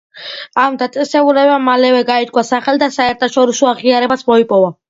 ამ დაწესებულებამ მალევე გაითქვა სახელი და საერთაშორისო აღიარებაც მოიპოვა.